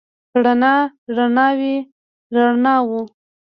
رڼا، رڼاوې، رڼاوو